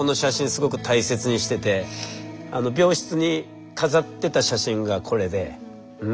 すごく大切にしてて病室に飾ってた写真がこれでうん。